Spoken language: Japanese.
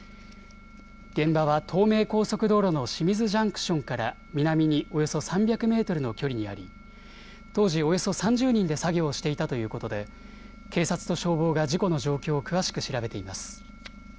現場は東名高速道路の清水ジャンクションから南におよそ３００メートルの距離にあり当時、およそ３０人で作業をしていたということで警察と消防が事故の状況を詳しく調べています。